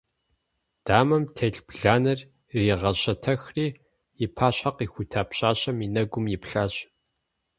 Дамэм телъ бланэр иригъэщэтэхри, и пащхьэ къихута пщащэм и нэгум иплъащ.